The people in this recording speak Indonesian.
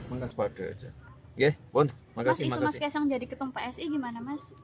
mas isu mas kaisang jadi ketum psi gimana mas